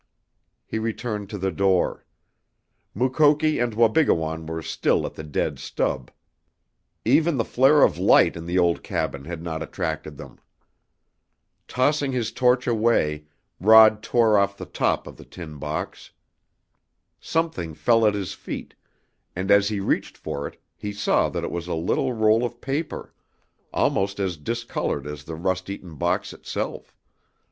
He returned to the door. Mukoki and Wabigoon were still at the dead stub. Even the flare of light in the old cabin had not attracted them. Tossing his torch away Rod tore off the top of the tin box. Something fell at his feet, and as he reached for it he saw that it was a little roll of paper, almost as discolored as the rust eaten box itself.